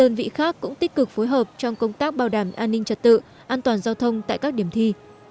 đơn vị khác cũng tích cực phối hợp trong công tác bảo đảm an ninh trật tự an toàn giao thông tại các điểm thi